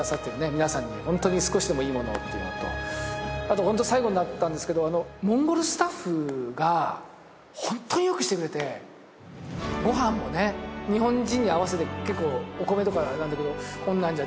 皆さんにホントに少しでもいいものをっていうのとあとホント最後になったんですけどモンゴルスタッフがホントによくしてくれてご飯もね日本人に合わせて結構お米とかなんだけどこんなんじゃ